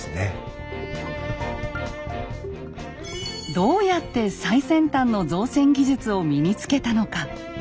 どうやって最先端の造船技術を身につけたのか。